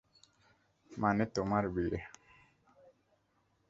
মানে তোমার বিয়ে।